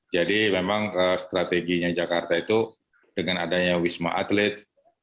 jadi memang strateginya jakarta itu dengan adanya wisma atlet